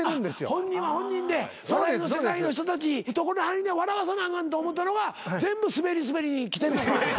本人は本人で笑いの世界の人たち懐入るには笑わさなあかんと思ったのが全部スベりスベりにきてるのか。